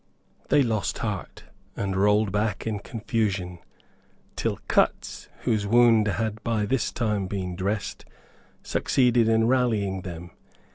They lost heart, and rolled back in confusion, till Cutts, whose wound had by this time been dressed, succeeded in rallying them.